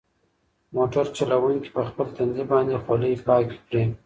موټر چلونکي په خپل تندي باندې خولې پاکې کړې.